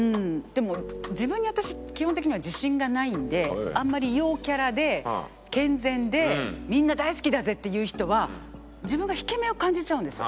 でも自分に私基本的には自信がないのであんまり陽キャラで健全でみんな大好きだぜっていう人は自分が引け目を感じちゃうんですよ。